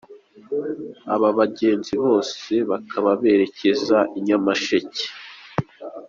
Aba bagenzi bose ngo bakaba berekezaga i Nyamasheke.